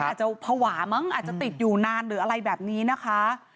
อาจจะภาวะมั้งอาจจะติดอยู่นานหรืออะไรแบบนี้นะคะ